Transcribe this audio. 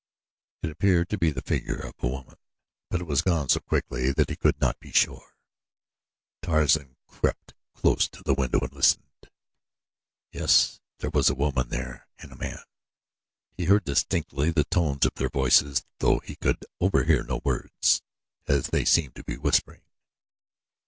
It appeared to be the figure of a woman; but it was gone so quickly that he could not be sure. Tarzan crept close to the window and listened. Yes, there was a woman there and a man he heard distinctly the tones of their voices although he could overhear no words, as they seemed to be whispering.